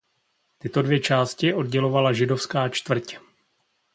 Tyto dvě části oddělovala židovská čtvrť.